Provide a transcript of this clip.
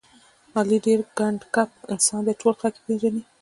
علي ډېر ګنډ کپ انسان دی، ټول خلک یې پېژني.